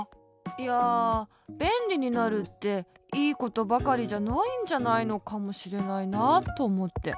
いやべんりになるっていいことばかりじゃないんじゃないのかもしれないなとおもって。